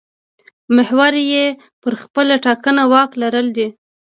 محور یې پر خپله ټاکنه واک لرل دي.